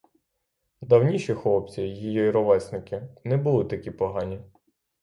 Давніші хлопці, її ровесники, не були такі погані.